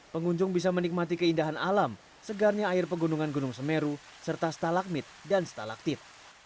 pengunjung bisa menikmati keindahan alam segarnya air pegunungan gunung semeru serta stalagmit dan stalaktit